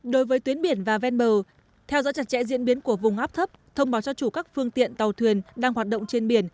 đối với tuyến biển và ven bờ theo dõi chặt chẽ diễn biến của vùng áp thấp thông báo cho chủ các phương tiện tàu thuyền đang hoạt động trên biển